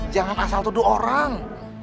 jangan asal tuduh orang